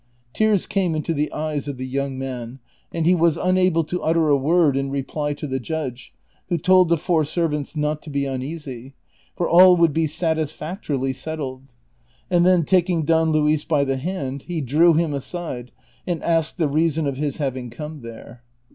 " Tears came into the eyes of the young man, and he was un able to utter a word in reply to the judge, who told the four servants not to be uneasy, for all would be satisfactorily set tled ; and then taking Don Luis by the hand, he drew him aside and asked the reason of his having come there.